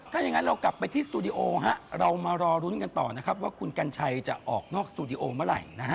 ถ้าอย่างนั้นเรากลับไปที่สตูดิโอเรามารอลุ้นกันต่อนะครับว่าคุณกัญชัยจะออกนอกสตูดิโอเมื่อไหร่นะฮะ